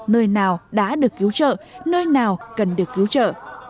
nơi nào đã được cứu trợ nơi nào cần được cứu trợ